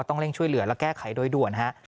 ต้องเร่งช่วยเหลือและแก้ไขโดยด่วนฮะ